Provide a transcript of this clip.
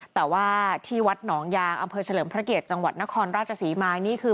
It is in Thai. แต่ว่าที่วัดหนองยางอำเภอเฉลิมพระเกียรติจังหวัดนครราชศรีมานี่คือ